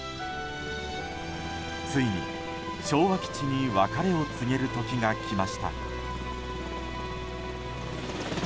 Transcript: ついに昭和基地に別れを告げる時が来ました。